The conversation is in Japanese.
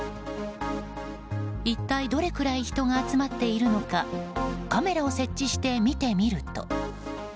一体どれくらい人が集まっているのかカメラを設置して、見てみると。